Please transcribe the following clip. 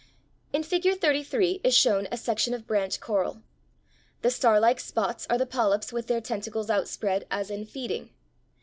In Figure 33 is shown a section of branch coral. The starlike spots are the polyps with their tentacles outspread as in feeding.